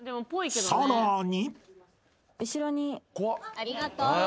［さらに］